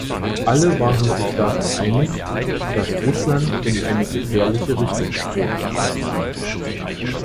Alle waren sich darin einig, dass Russland in eine gefährliche Richtung strebt.